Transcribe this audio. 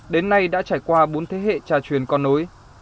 đến nay đã trải qua bốn thế hệ trà truyền con nối